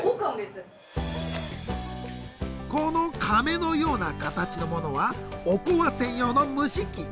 この甕のような形のものはおこわ専用の蒸し器。